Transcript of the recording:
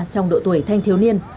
trong độ tuổi thanh thiếu niên